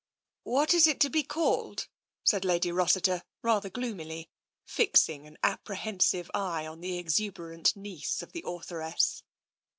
"" What is it to be called? '' said Lady Rossiter rather gloomily, fixing an apprehensive eye on the exuberant niece of the authoress.